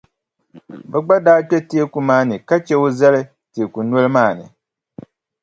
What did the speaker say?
Bɛ gba daa kpe teeku maa ni ka che o zali teeku noli maa ni.